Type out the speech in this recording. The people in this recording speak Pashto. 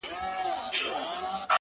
• شاعرانو به کټ مټ را نقلوله,